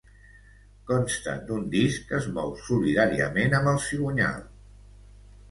Consta d'un disc que es mou solidàriament amb el cigonyal.